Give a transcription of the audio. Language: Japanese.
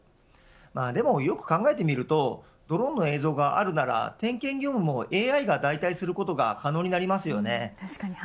でも、よく考えてみるとドローンの映像があるなら点検業務もＡＩが代替することが可能になります。